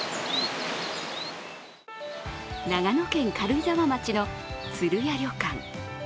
長野県軽井沢町のつるや旅館。